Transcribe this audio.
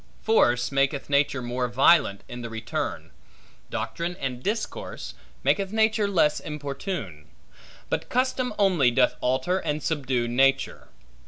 Force, maketh nature more violent in the return; doctrine and discourse, maketh nature less importune; but custom only doth alter and subdue nature.